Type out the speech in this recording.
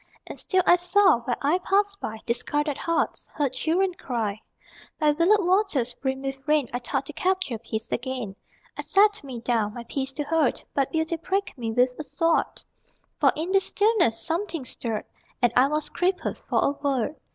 And still I saw Where I passed by Discarded hearts, Heard children cry. By willowed waters Brimmed with rain I thought to capture Peace again. I sat me down My Peace to hoard, But Beauty pricked me With a sword. For in the stillness Something stirred, And I was crippled For a word.